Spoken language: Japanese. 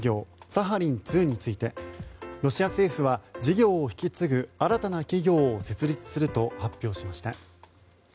サハリン２についてロシア政府は事業を引き継ぐ新たな企業を設立すると発表しました。